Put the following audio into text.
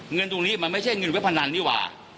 เงินตรงนี้มันไม่ใช่เงินเว็บพนันนี่หว่า